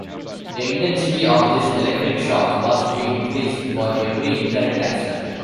The intensity of this electric shock was to be increased for every incorrect answer.